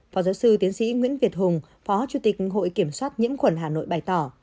phó giáo sư tiến sĩ nguyễn việt hùng phó chủ tịch hội kiểm soát nhiễm khuẩn hà nội bày tỏ